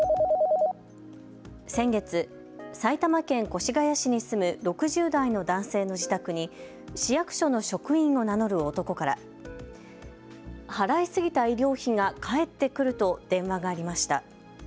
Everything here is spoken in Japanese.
先月、埼玉県越谷市に住む６０代の男性の自宅に市役所の職員を名乗る男から払い過ぎた医療費が返ってくると電話がありました。